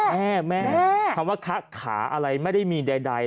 แม่แม่แม่คำว่าขาอะไรไม่ได้มีใดใด